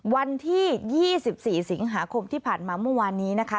วันที่๒๔สิงหาคมที่ผ่านมาเมื่อวานนี้นะคะ